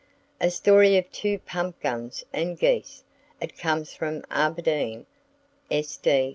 A Story of Two Pump Guns and Geese: —It comes from Aberdeen, S.D.